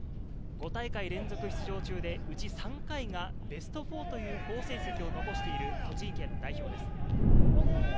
５大会連続出場中でうち３回がベスト４という好成績を残している栃木県代表です。